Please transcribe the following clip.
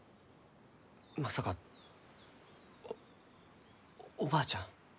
まさかおおばあちゃん？